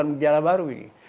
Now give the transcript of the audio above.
ini bukan berjalan baru ini